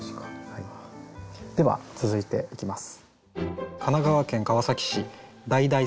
では続いていきます。